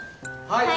はい！